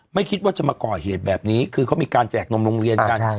ไม่คิดว่าจะมาก่อเหตุแบบนี้คือเขามีการแจกนมโรงเรียนกัน